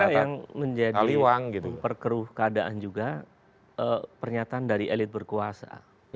itu yang menjadi perkeruh keadaan juga pernyataan dari elit berkuasa